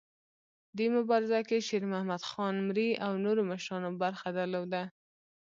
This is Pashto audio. دې مبارزه کې شیرمحمد خان مري او نورو مشرانو برخه درلوده.